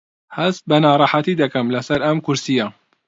هەست بە ناڕەحەتی دەکەم لەسەر ئەم کورسییە.